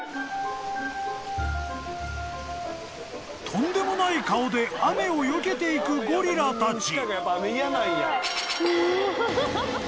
［とんでもない顔で雨をよけていくゴリラたち］